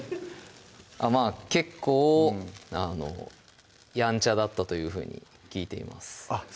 まぁ結構やんちゃだったというふうに聞いています